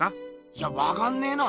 いやわかんねえな。